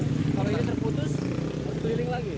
kalau ini terputus keliling lagi